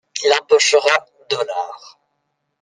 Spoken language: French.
Il empochera dollars.